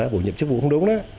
bổ nhiệm chức vụ không đúng đó